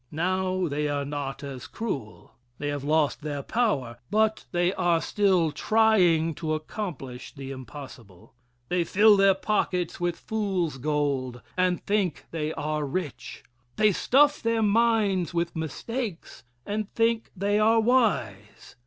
Now they are not as cruel. They have lost their power, but they are still trying to accomplish the impossible. They fill their pockets with "fool's gold" and think they are rich. They stuff their minds with mistakes and think they are wise.